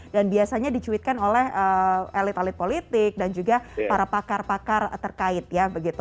dan biasanya dicuitkan oleh elit elit politik dan juga para pakar pakar terkait ya begitu